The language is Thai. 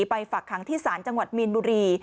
ไปฝากคังที่สารจังหวัดมีนบุรี